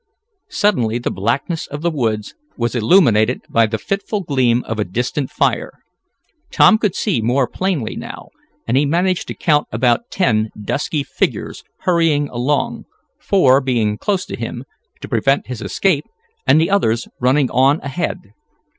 Suddenly the blackness of the woods was illuminated by the fitful gleam of a distant fire. Tom could see more plainly now, and he managed to count about ten dusky figures hurrying along, four being close to him, to prevent his escape, and the others running on ahead.